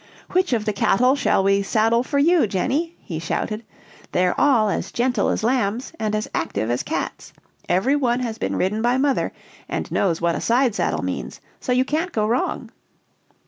"Which of the cattle shall we saddle for you, Jenny?" he shouted; "they're all as gentle as lambs, and as active as cats. Every one has been ridden by mother; and knows what a side saddle means, so you can't go wrong."